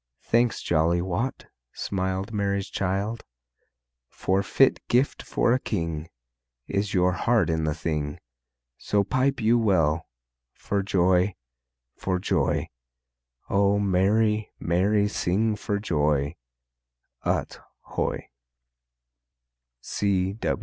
Thanks, jolly Wat, smiled Mary's child, For fit gift for a king Is your heart in the thing. So pipe you well, For joy, for joy! O merry, merry sing for joy, Ut hoy!